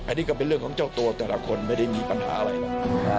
อันนี้ก็เป็นเรื่องของเจ้าตัวแต่ละคนไม่ได้มีปัญหาอะไรหรอก